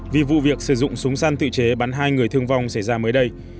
vì vụ việc sử dụng súng săn tự chế bắn hai người thương vong xảy ra mới đây